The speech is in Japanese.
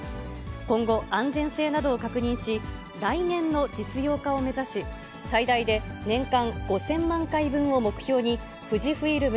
今後、安全性などを確認し、来年の実用化を目指し、最大で年間５０００万回分を目標に、富士フイルム